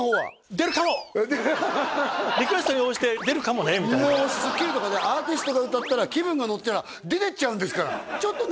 リクエストに応じて出るかもねみたいなもう「スッキリ」とかでアーティストが歌ったら気分がノッたら出てっちゃうんですからちょっとね